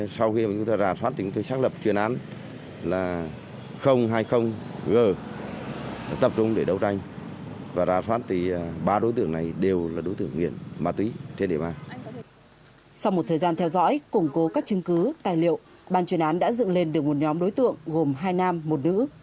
sau một thời gian theo dõi củng cố các chứng cứ tài liệu ban chuyên án đã dựng lên được một nhóm đối tượng gồm hai nam một nữ